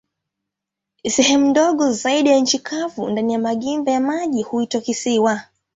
Sehemu ndogo zaidi za nchi kavu ndani ya magimba ya maji huitwa kisiwa.